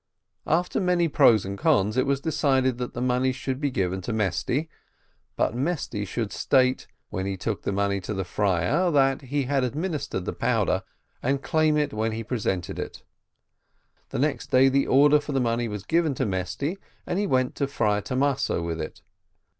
After many pros and cons, it was as last decided that the money should be given to Mesty; but that Mesty should state, when he took the money to the friar, that he had administered the powder, and claim it when he presented it. The next day the order for the money was given to Mesty, and he went to the Friar Thomaso with it.